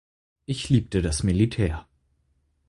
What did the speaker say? Ich liebte das Militär.